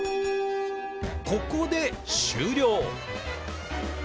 ここで終了。